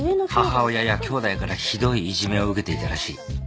母親やきょうだいからひどいいじめを受けていたらしい。